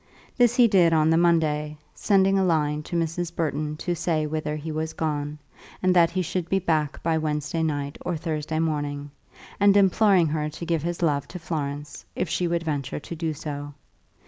This he did on the Monday, sending a line to Mrs. Burton to say whither he was gone, and that he should be back by Wednesday night or Thursday morning, and imploring her to give his love to Florence, if she would venture to do so.